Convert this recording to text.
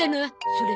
それ。